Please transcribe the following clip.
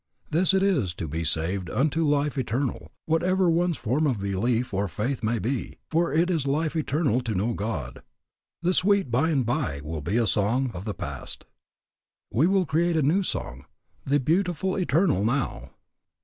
This it is to be saved unto life eternal, whatever one's form of belief or faith may be; for it is life eternal to know God. "The Sweet By and By" will be a song of the past. We will create a new song "The Beautiful Eternal Now."